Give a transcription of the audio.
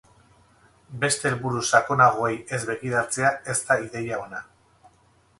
Beste helburu sakonagoei ez begiratzea ez da ideia ona.